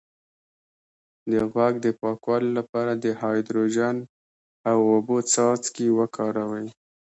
د غوږ د پاکوالي لپاره د هایدروجن او اوبو څاڅکي وکاروئ